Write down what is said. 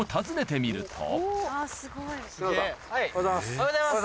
おはようございます。